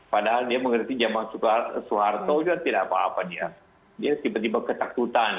padahal dia mengerti zaman soeharto itu tidak apa apa dia dia tiba tiba ketakutan